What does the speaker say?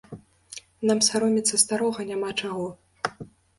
Нам саромецца старога няма чаго.